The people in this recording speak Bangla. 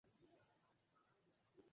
রোজই তো বাজে।